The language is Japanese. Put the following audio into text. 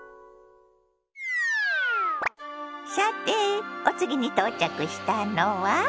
さてお次に到着したのは？